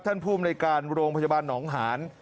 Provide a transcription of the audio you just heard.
ท่านผู้มนตรีการโรงพยาบาลหนองหาน